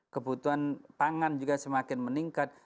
kebutuhan pangan juga semakin meningkat